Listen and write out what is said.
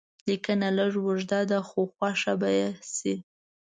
لیکنه لږ اوږده ده خو خوښه به شي.